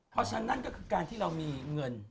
เพราะฉะนั้นนั่นก็คือการที่เรามีเงิน